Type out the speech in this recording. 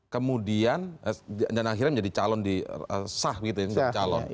kemudian dan akhirnya menjadi calon di sah gitu ya